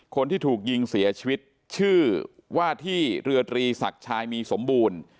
คนที่ถูกยิงเสียชีวิตชื่อว่าที่เรือตรีศักดิ์ชายมีสมบูรณ์